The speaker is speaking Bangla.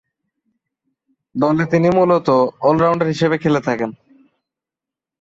দলে তিনি মূলতঃ অল-রাউন্ডার হিসেবে খেলে থাকেন।